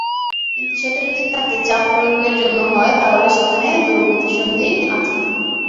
কিন্তু সেটা যদি তাকে চাপ প্রয়োগের জন্য হয়, তাহলে সেখানে দুরভিসন্ধি আছে।